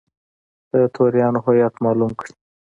د توریانو هویت معلوم کړي.